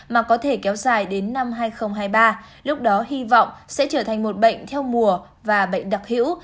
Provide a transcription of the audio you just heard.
mà có thể kéo dài đến năm hai nghìn hai mươi ba lúc đó hy vọng sẽ trở thành một bệnh theo mùa và bệnh đặc hữu